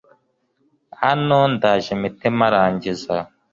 hano ndaje mpite marangiza